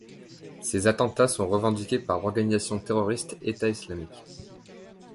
Ces attentats sont revendiqués par l'organisation terroriste État islamique.